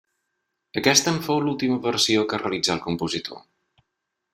Aquesta en fou l'última versió que realitzà el compositor.